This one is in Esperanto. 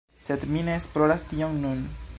Sed mi ne esploras tion nun